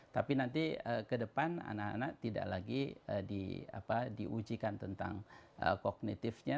tapi nanti ke depan anak anak tidak lagi diujikan tentang kognitifnya